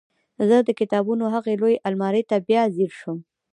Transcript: زه د کتابونو هغې لویې المارۍ ته بیا ځیر شوم